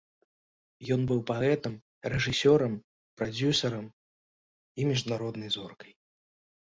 Ён быў паэтам, рэжысёрам, прадзюсарам і міжнароднай зоркай.